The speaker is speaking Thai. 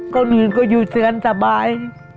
คนอื่นก็อยู่เตือนสบาย